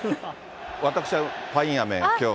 私はパインアメ、きょう。